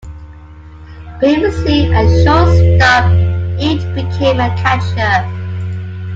Previously a shortstop, Inge became a catcher.